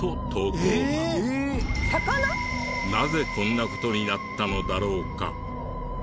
なぜこんな事になったのだろうか？